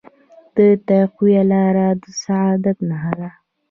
د تقوی لاره د سعادت نښه ده.